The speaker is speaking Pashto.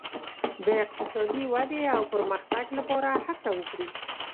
د اقتصادي ودې او پرمختګ لپاره هڅه وکړو.